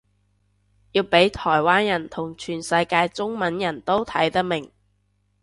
要畀台灣人同全世界中文人都睇得明